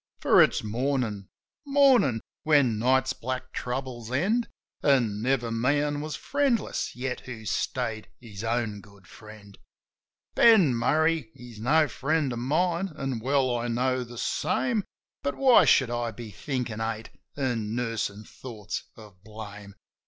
For it's Mornin' ! Mornin' ! When night's black troubles end. An' never man was friendless yet who stayed his own good friend. Ben Murray, he's no friend of mine, an' well I know the same; But why should I be thinkin' hate, an' nursin' thoughts of blame